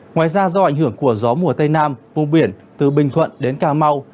ngoài ra do ảnh hưởng của gió mùa tây nam vùng biển từ bình thuận đến cà mau